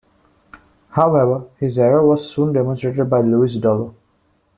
However, his error was soon demonstrated by Louis Dollo.